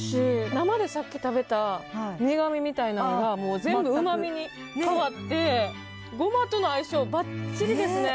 生でさっき食べた苦みみたいなのがもう全部うまみに変わってゴマとの相性ばっちりですね。